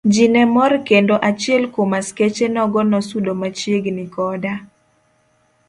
Ji ne mor kendo achiel kuom askeche nogo nosudo machiegni koda.